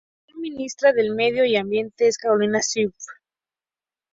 La actual ministra del Medio Ambiente es Carolina Schmidt.